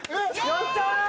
やった！